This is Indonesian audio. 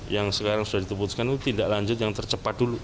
yang sekarang sudah ditutupkan itu tindaklanjut yang tercepat dulu